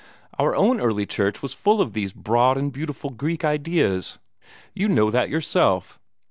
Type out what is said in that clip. Our own early Church was full of these broad and beautiful Greek ideas. You know that yourself!